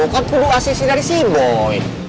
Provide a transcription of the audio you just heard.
kau kudu asisi dari si boy